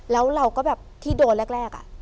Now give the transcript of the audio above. แล้วเราก็แบบที่โดนแรก